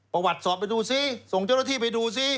ประวัติสอบไปดูซิส่งเจ้าหน้าที่ไปดูซิ